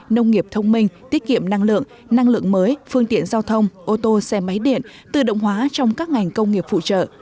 nông nghiệp thông minh tiết kiệm năng lượng năng lượng mới phương tiện giao thông ô tô xe máy điện tự động hóa trong các ngành công nghiệp phụ trợ